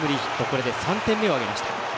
これで３点目を挙げました。